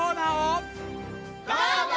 どうぞ！